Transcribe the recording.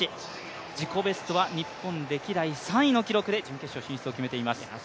自己ベストは日本歴代３位の記録で準決勝進出を決めています。